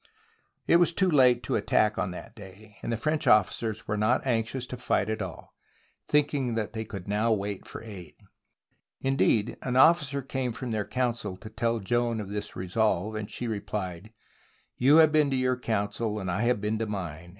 It was too late to attack on that day, and the SIEGE OF ORLEANS French officers were not anxious to fight at all, thinking that they could now wait for aid. Indeed, an officer came from their council to tell Joan of this resolve, and she replied: "You have been to your council and I have been to mine.